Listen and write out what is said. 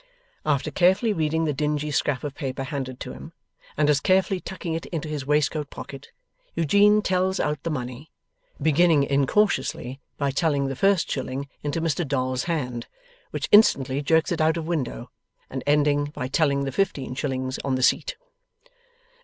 After carefully reading the dingy scrap of paper handed to him, and as carefully tucking it into his waistcoat pocket, Eugene tells out the money; beginning incautiously by telling the first shilling into Mr Dolls's hand, which instantly jerks it out of window; and ending by telling the fifteen shillings on the seat.